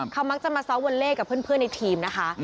เขามักจะมาซ้อมวอลเล่กับเพื่อนในทีมนะคะ